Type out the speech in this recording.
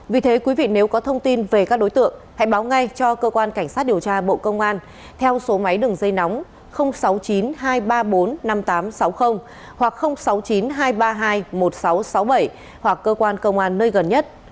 vì thế quý vị nếu có thông tin về các đối tượng hãy báo ngay cho cơ quan cảnh sát điều tra bộ công an theo số máy đường dây nóng sáu mươi chín hai trăm ba mươi bốn năm nghìn tám trăm sáu mươi hoặc sáu mươi chín hai trăm ba mươi hai một nghìn sáu trăm sáu mươi bảy hoặc cơ quan công an nơi gần nhất